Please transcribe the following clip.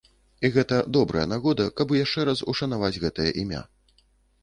І гэта добрая нагода, каб яшчэ раз ушанаваць гэтае імя.